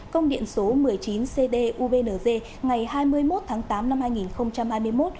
công điện số một mươi chín cdubng ngày hai mươi một tháng tám năm hai nghìn hai mươi một